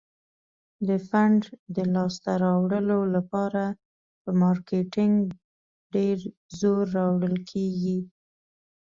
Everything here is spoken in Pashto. د فنډ د لاس ته راوړلو لپاره په مارکیټینګ ډیر زور راوړل کیږي.